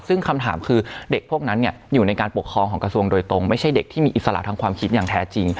ซึ่งคำถามคือเด็กพวกนั้นอยู่ในการปกครองของกระทรวงโดยตรงไม่ใช่เด็กที่มีอิสระทางความคิดอย่างแท้จริง